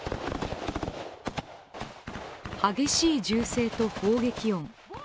激しい銃声と砲撃音